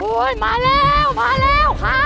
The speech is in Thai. เห็นมันเหมือนกันหรือเปล่า